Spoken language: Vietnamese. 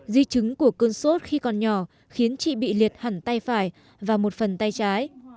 di chứng của cơn sốt khi còn nhỏ khiến chị bị liệt hẳn tay phải và một phần tay trái